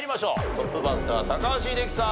トップバッター高橋英樹さん